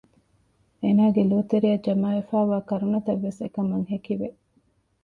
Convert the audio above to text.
އޭނާގެ ލޯތެރެއަށް ޖަމާވެފައިވާ ކަރުނަތައްވެސް އެކަމަށް ހެކިވެ